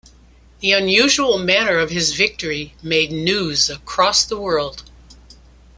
The unusual manner of his victory made news across the world.